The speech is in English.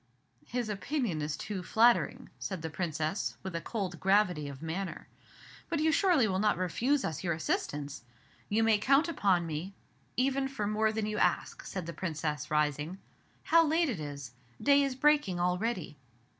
"His opinion is too flattering," said the Princess, with a cold gravity of manner. "But you surely will not refuse us your assistance?" "You may count upon me even for more than you ask," said the Princess, rising. "How late it is! day is breaking already!"